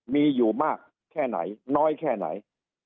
มีอยู่มากแค่ไหนน้อยแค่ไหน